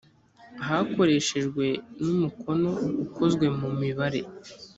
hakoreshejwe n umukono ukozwe mu mibare